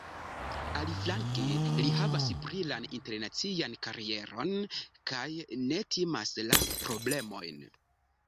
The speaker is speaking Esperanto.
Aliflanke, li havas brilan internacian karieron kaj ne timas la problemojn.